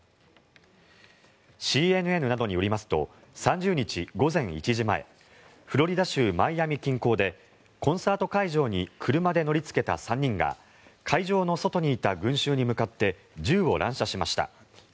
ＣＮＮなどによりますと３０日午前１時前フロリダ州マイアミ近郊でコンサート会場に車で乗りつけた３人が会場の外にいた群衆に向かって銃を乱射しました。